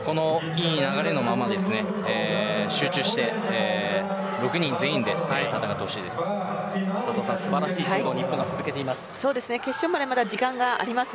いい流れのまま集中して６人全員で戦ってほしいです。